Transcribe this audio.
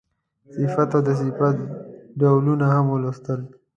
صفت او د صفت ډولونه هم ولوستل.